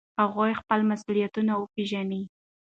هغوی خپل مسؤلیتونه وپیژني.